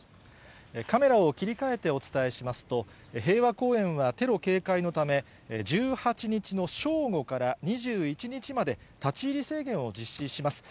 カメラを切り替えてお伝えしますと、平和公園はテロ警戒のため、１８日の正午から２１日まで立ち入り制限を実施します。